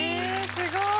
すごい。